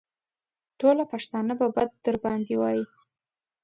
ټول پښتانه به بد در باندې وايي.